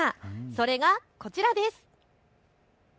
それがこちらです。